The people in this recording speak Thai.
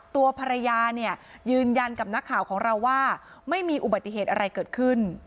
ตัวภรรยาเนี่ยยืนยันกับนักข่าวของเราว่าไม่มีอุบัติเหตุอะไรเกิดขึ้น